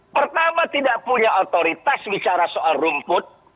pertama tidak punya otoritas bicara soal rumput